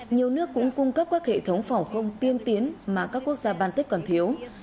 nhiều nước cũng cung cấp các hệ thống phỏng không tiên tiến mà các quốc gia ban tích còn thiếu